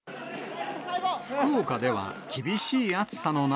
福岡では厳しい暑さの中。